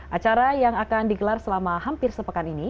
acara yang akan digelar selama hampir sepekan ini